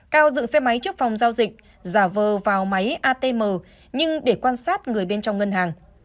cao dựng xe máy trước phòng giao dịch giả vờ vào máy atm nhưng để quan sát người bên trong ngân hàng